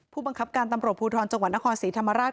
ผู้บังคับการตำรวจภูทรจังหวัดนครศรีธรรมราช